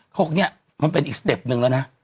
พวกเนี่ยมันเป็นอีกสเต็ปนึงแล้วนะ